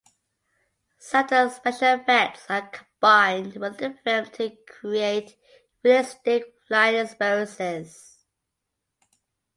Sound and special effects are combined with the film to create realistic flying experiences.